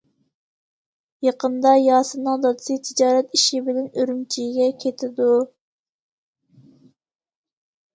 يېقىندا ياسىننىڭ دادىسى تىجارەت ئىشى بىلەن ئۈرۈمچىگە كېتىدۇ.